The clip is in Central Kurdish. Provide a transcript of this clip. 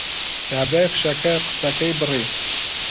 کابرای فشەکەر قسەکەی بڕی